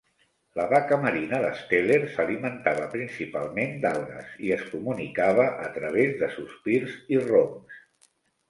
La vaca marina de Steller s'alimentava principalment d'algues, i es comunicava a través de sospirs i roncs.